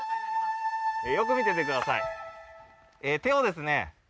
よく見ててください。